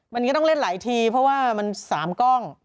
มันก็ต้องเล่นหลายทีเพราะว่ามัน๓กล้อง